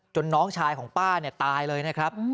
จนน้องชายของป้าตายเลยนะครับ